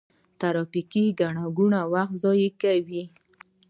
ترافیکي ګڼه ګوڼه وخت ضایع کوي.